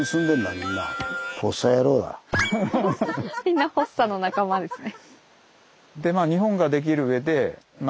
みんなフォッサの仲間ですね。